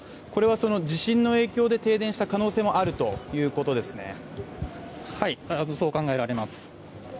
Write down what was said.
これはその地震の影響で停電した可能性もあるということですね。